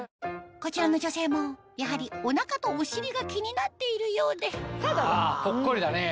こちらの女性もやはりお腹とお尻が気になっているようでポッコリだね。